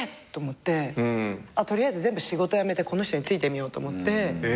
取りあえず全部仕事やめてこの人に付いてみようと思って。